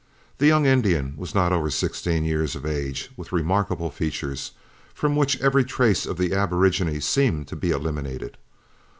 The young Indian was not over sixteen years of age, with remarkable features, from which every trace of the aborigine seemed to be eliminated.